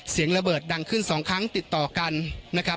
เสียงระเบิดดังขึ้น๒ครั้งติดต่อกันนะครับ